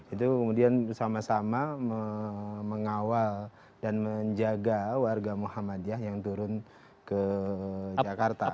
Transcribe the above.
itu kemudian bersama sama mengawal dan menjaga warga muhammadiyah yang turun ke jakarta